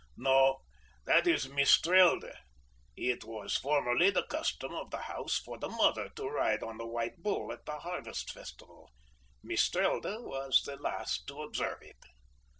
No, that is Mistrelde. It was formerly the custom of the house for the Mother to ride on a white bull at the harvest festival. Mistrelde was the last to observe it."